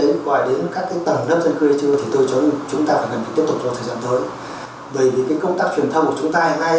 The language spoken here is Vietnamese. nhưng mà thực sự chúng ta đã làm tương đối tốt với công tác tuyên truyền